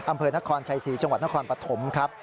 อำเภอนครชัยศรีจังหวัดนครปฐมครับ